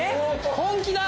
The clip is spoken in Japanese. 本気だ。